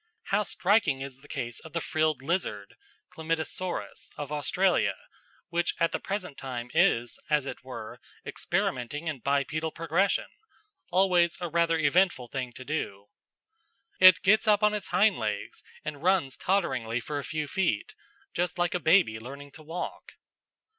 How striking is the case of the frilled lizard (Chlamydosaurus) of Australia, which at the present time is, as it were, experimenting in bipedal progression always a rather eventful thing to do. It gets up on its hind legs and runs totteringly for a few feet, just like a baby learning to walk.